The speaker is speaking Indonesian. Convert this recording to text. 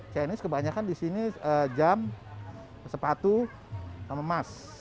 chinese kebanyakan disini jam sepatu sama emas